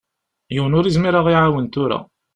Yiwen ur izmir ad ɣ-iɛawen tura.